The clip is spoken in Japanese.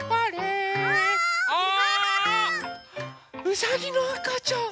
うさぎのあかちゃん！